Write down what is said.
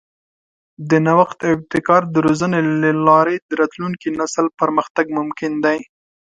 د نوښت او ابتکار د روزنې له لارې د راتلونکي نسل پرمختګ ممکن دی.